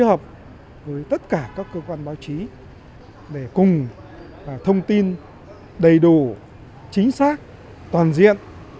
hợp với tất cả các cơ quan báo chí để cùng thông tin đầy đủ chính xác toàn diện